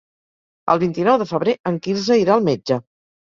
El vint-i-nou de febrer en Quirze irà al metge.